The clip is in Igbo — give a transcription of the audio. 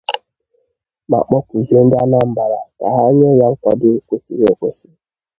ma kpọkuzie ndị Anambra ka ha nye ya nkwàdo kwesiri ekwesi